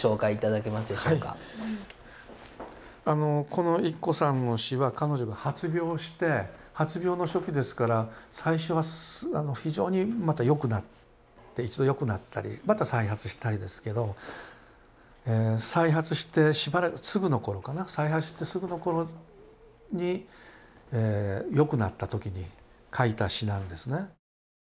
この育子さんの詩は彼女が発病して発病の初期ですから最初は非常にまたよくなる一度よくなったりまた再発したりですけど再発してすぐの頃かな再発してすぐの頃によくなった時に書いた詩なんですね。